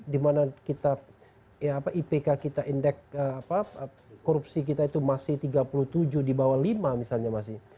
dimana kita ipk kita indeks korupsi kita itu masih tiga puluh tujuh di bawah lima misalnya masih